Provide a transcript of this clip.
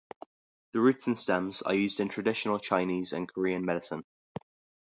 The roots and stems are used in traditional Chinese and Korean medicine.